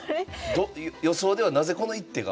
予想ではなぜこの一手が。